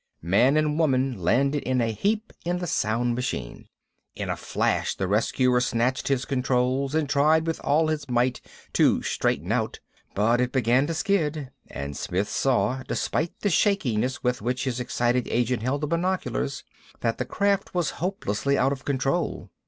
Man and woman landed in a heap in the sound machine. In a flash the rescuer snatched his controls, and tried with all his might to "straighten out." But it began to skid; and Smith saw, despite the shakiness with which his excited agent held the binoculars, that the craft was hopelessly out of control.